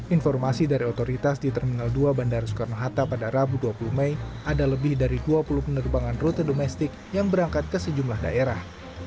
informasi dari otoritas di terminal dua bandara soekarno hatta pada rabu dua puluh mei ada lebih dari dua puluh penerbangan rute domestik yang berangkat ke sejumlah daerah